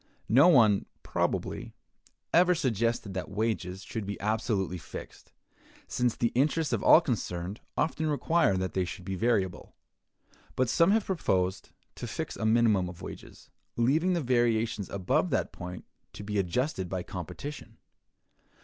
No one, probably, ever suggested that wages should be absolutely fixed, since the interests of all concerned often require that they should be variable; but some have proposed to fix a minimum of wages, leaving the variations above that point to be adjusted by competition.